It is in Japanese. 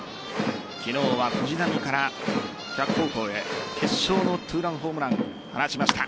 昨日は藤浪から逆方向へ決勝の２ランホームランを放ちました。